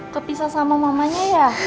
kepisah sama mamanya ya